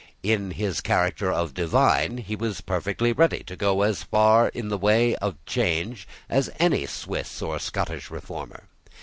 In his character of divine he was perfectly ready to go as far in the way of change as any Swiss or Scottish Reformer.